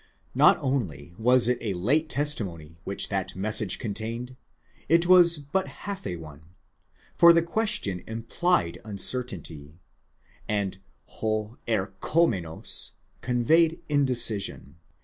Not only was ita late testimony which that message contained ; it was. but half a one ; for the question implied uncertainty, and 6 ἐρχόμενος conveyed indecision.